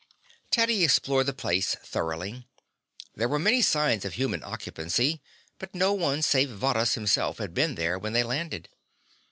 Teddy explored the place thoroughly. There were many signs of human occupancy, but no one save Varrhus himself had been there when they landed.